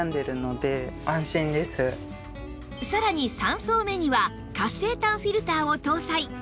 さらに３層目には活性炭フィルターを搭載